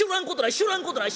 知らんことない。